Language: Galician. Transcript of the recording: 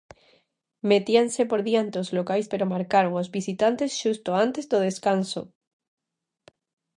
Metíanse por diante os locais pero marcaron os visitantes xusto antes do descanso.